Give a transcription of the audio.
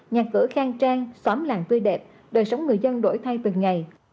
nhà cửa khang trang xóm làng tươi đẹp đời sống người dân đổi thay từng ngày